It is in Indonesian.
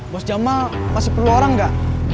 bos jamal masih perlu orang nggak